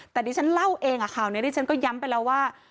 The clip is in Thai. แต่ดิฉันเล่าเองข่าวนี้ดิฉันก็ย้ำไปแล้วว่า